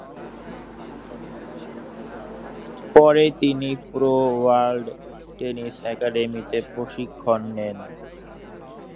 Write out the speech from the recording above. পরে তিনি pro world tennis একাডেমিতে প্রশিক্ষণ নেন।